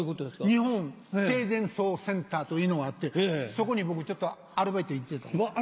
日本生前葬センターというのがあってそこに僕ちょっとアルバイト行ってた。